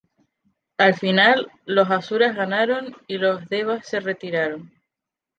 Al final, los asuras ganaron y los devas se retiraron.